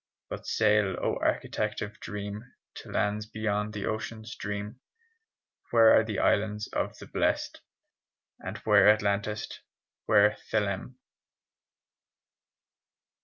But sail, O architect of dream, To lands beyond the Ocean stream. Where are the islands of the blest, And where Atlantis, where Theleme?"